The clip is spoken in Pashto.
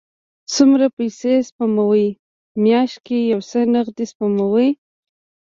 څومره پیسی سپموئ؟ میاشت کې یو څه نغدي سپموم